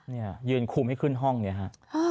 นี่ค่ะยืนคุมให้ขึ้นห้องนี่ค่ะ